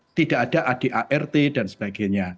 yang kedua adalah tipologi supporter yang berkembang by struktural